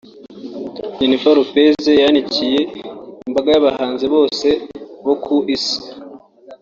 Jennifer Lopez yanikiye imbaga y’abahanzi bose bo ku isi